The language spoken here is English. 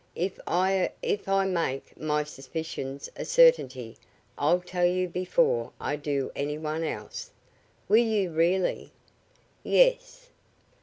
"If I er if I make my suspicions a certainty I'll tell you before I do any one else." "Will you really?" "Yes."